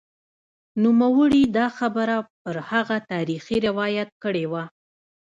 نوموړي دا خبره پر هغه تاریخي روایت کړې وه